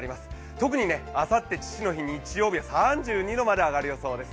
特にあさって、父の日、日曜日は３２度まで上がる予想です。